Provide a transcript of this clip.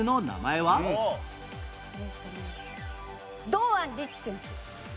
堂安律選手。